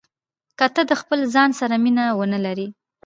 که ته د خپل ځان سره مینه ونه لرې.